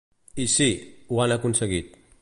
I sí, ho han aconseguit.